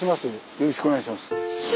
よろしくお願いします。